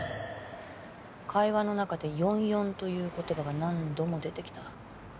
会話の中で「４４」という言葉が何度も出てきた。